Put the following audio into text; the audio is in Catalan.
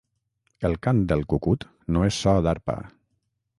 El cant del cucut no és so d'arpa.